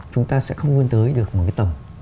chúng ta sẽ không vươn tới được một cái tầm